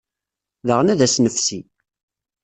Daɣen ad as-nefsi.